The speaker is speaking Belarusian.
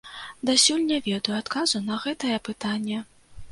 Дасюль не ведаю адказу на гэтае пытанне.